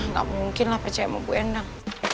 nggak mungkin lah percaya sama bu endang